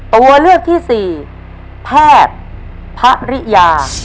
ตัวเลือกที่๔แพทย์ภริยา